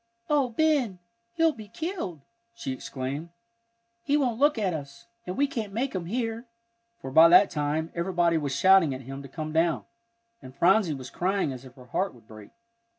"Oh, Ben, he'll be killed!" she exclaimed. "He won't look at us, and we can't make him hear," for by that time everybody was shouting at him to come down, and Phronsie was crying as if her heart would break.